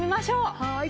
はい。